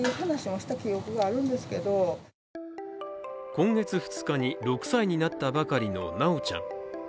今月２日に６歳になったばかりの修ちゃん。